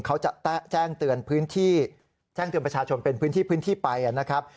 เขาจะแจ้งเตือนพื้นที่แจ้งเตือนประชาชนเป็นพื้นที่พื้นที่ไปนะครับ